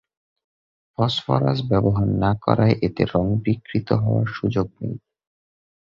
Phosphorus ব্যবহার না করায় এতে রং বিকৃত হওয়ার সুযোগ নেই।